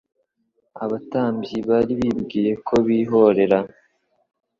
Abatambyi bari bibwiye ko bihorera,